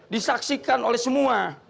disaksikan oleh semua